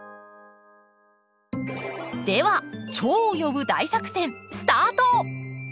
ではチョウを呼ぶ大作戦スタート！